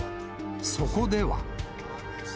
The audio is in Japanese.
そこでは。